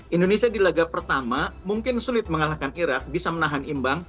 indonesia di laga pertama mungkin sulit mengalahkan irak bisa menahan imbang